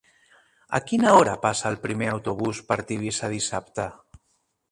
A quina hora passa el primer autobús per Tivissa dissabte?